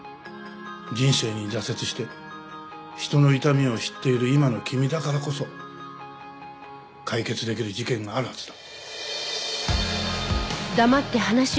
人生に挫折して人の痛みを知っている今の君だからこそ解決できる事件があるはずだ。